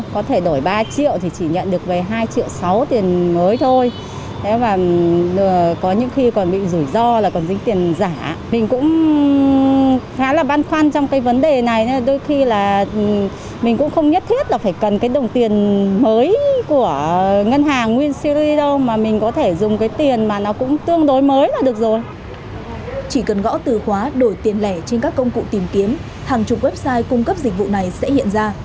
chỉ cần gõ từ khóa đổi tiền lẻ trên các công cụ tìm kiếm hàng chục website cung cấp dịch vụ này sẽ hiện ra